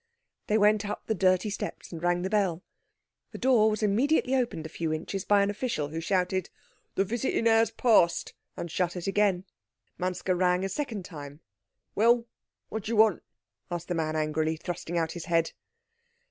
They went up the dirty steps and rang the bell. The door was immediately opened a few inches by an official who shouted "The visiting hour is past," and shut it again. Manske rang a second time. "Well, what do you want?" asked the man angrily, thrusting out his head.